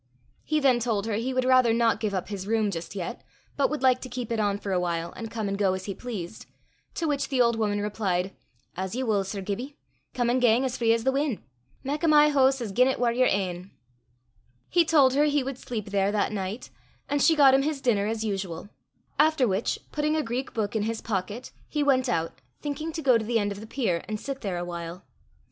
He then told her he would rather not give up his room just yet, but would like to keep it on for a while, and come and go as he pleased; to which the old woman replied, "As ye wull, Sir Gibbie. Come an' gang as free as the win'. Mak o' my hoose as gien it war yer ain." He told her he would sleep there that night, and she got him his dinner as usual; after which, putting a Greek book in his pocket, he went out, thinking to go to the end of the pier and sit there a while.